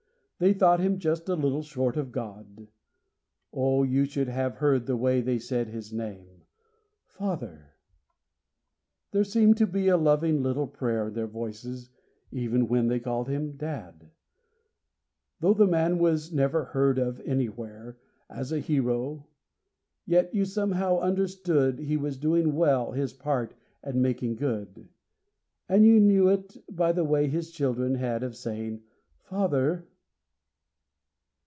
They thought him just a little short of God; Oh you should have heard the way they said his name— 'Father.' There seemed to be a loving little prayer In their voices, even when they called him 'Dad.' Though the man was never heard of anywhere, As a hero, yet you somehow understood He was doing well his part and making good; And you knew it, by the way his children had Of saying 'Father.